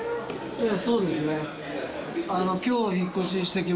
ええ。